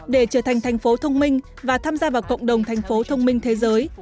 để trở thành thành phố thông minh và tham gia vào cộng đồng thành phố thông minh thế giới